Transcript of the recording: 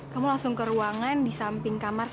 kamu langsung ke ruangan di samping kamar satu ratus lima